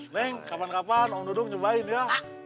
neng kapan kapan mau duduk nyobain ya